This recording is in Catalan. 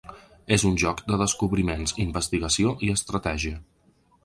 És un joc de descobriments, investigació i estratègia.